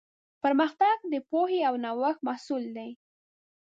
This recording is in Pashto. پرمختګ د پوهې او نوښت محصول دی.